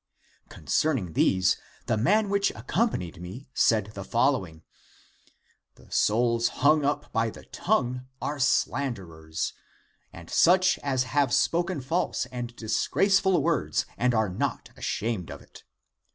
Concerning these the man which accompanied me said the following: ACTS OF THOMAS 275 the souls hung up by the tongue, are slanderers, and such as have spoken false and disgraceful words and are not ashamed of it.